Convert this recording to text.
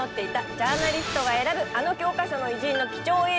ジャーナリストが選ぶあの教科書の偉人の貴重映像